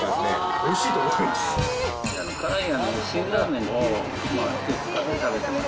おいしいと思います。